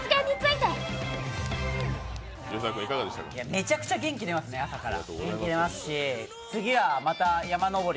めちゃくちゃ元気出ますね朝から。